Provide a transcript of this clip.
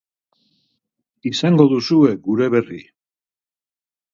Izango duzue gure berri.